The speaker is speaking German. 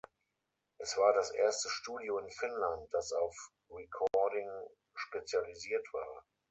Es war das erste Studio in Finnland, das auf Recording spezialisiert war.